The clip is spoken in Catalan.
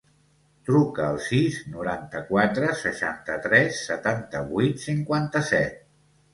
Truca al sis, noranta-quatre, seixanta-tres, setanta-vuit, cinquanta-set.